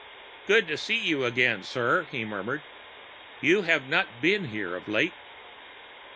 "Good to see you again, sir," he murmured. "You have not been here of late."